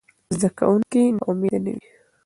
زده کوونکي ناامیده نه دي.